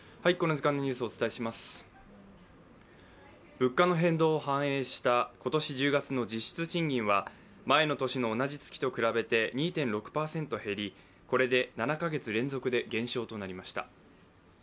物価の変動を反映した今年１０月の実質賃金は前の年の同じ月と比べて２．６％減り、これで７か月連続で減少となりました。